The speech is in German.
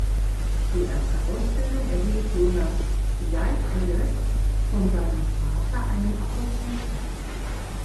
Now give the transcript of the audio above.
Die erste Ausbildung erhielt Jonas Jeitteles von seinem Vater, einem Apotheker.